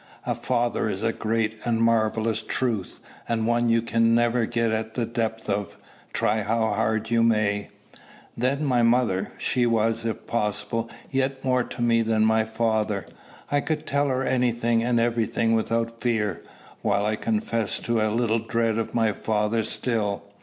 A father is a great and marvellous truth, and one you can never get at the depth of, try how you may. Then my mother! She was, if possible, yet more to me than my father. I could tell her any thing and every thing without fear, while I confess to a little dread of my father still.